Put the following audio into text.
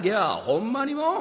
ほんまにもう！